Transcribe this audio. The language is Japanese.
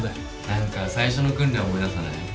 なんか最初の訓練思い出さない？